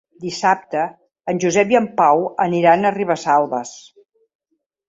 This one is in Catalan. Dissabte en Josep i en Pau aniran a Ribesalbes.